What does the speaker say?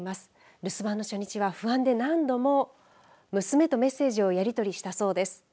留守番の初日は不安で何度も娘とメッセージをやりとりしたそうです。